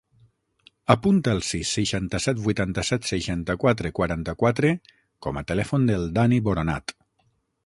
Apunta el sis, seixanta-set, vuitanta-set, seixanta-quatre, quaranta-quatre com a telèfon del Dani Boronat.